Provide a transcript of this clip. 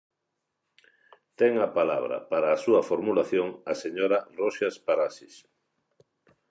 Ten a palabra, para a súa formulación, a señora Roxas Paraxes.